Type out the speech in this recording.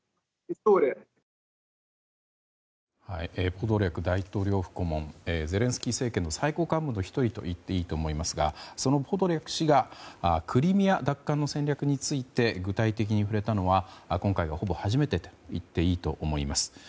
ポドリャク大統領府顧問ゼレンスキー政権の最高幹部の１人といっていいと思いますがそのポドリャク氏がクリミア奪還の戦略について具体的に触れたのは今回がほぼ初めてと言っていいと思います。